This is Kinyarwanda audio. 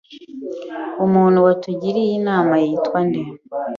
Umuntu watugiriye inama yitwa nde?